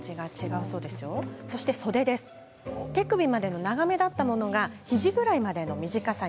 袖も手首までの長めだったのが肘くらいまでの短さに。